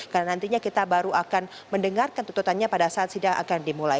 karena nantinya kita baru akan mendengarkan tuntutannya pada saat sudah akan dimulai